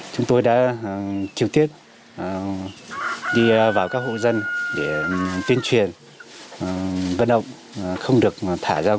chúng tôi đã chiều tiết đi vào các hộ dân để tuyên truyền vận động không được thả ra gia súc